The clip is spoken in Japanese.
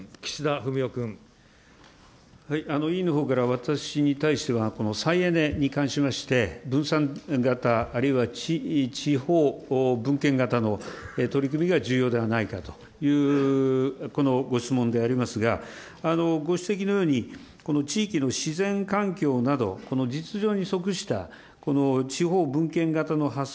委員のほうから私に対しては、再エネに関しまして、分散型、あるいは地方分権型の取り組みが重要ではないかという、このご質問でありますが、ご指摘のように、この地域の自然環境など、この実情に即した地方分権型のはっ